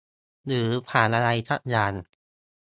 หรือผ่านอะไรซักอย่าง